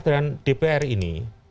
dan dpr ini